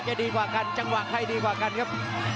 จะดีกว่ากันจังหวะใครดีกว่ากันครับ